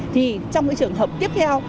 thì trong trường hợp tiếp theo